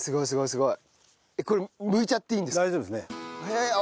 すごい！